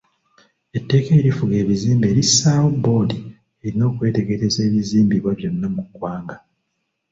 Etteeka erifuga ebizimbe lissaawo boodi erina okwetegereza ebizimbibwa byonna mu ggwanga.